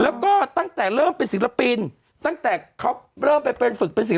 วันนั้นเด็กแฝดวิ่งเอาขนมมาให้อย่างนี้